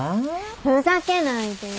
ふざけないでよ。